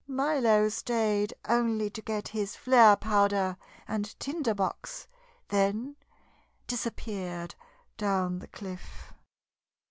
Milo stayed only to get his flare powder and tinder box, then disappeared down the cliff.